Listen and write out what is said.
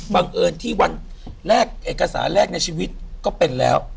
บังเอิญที่วันแรกเอกสารแรกในชีวิตก็เป็นแล้ว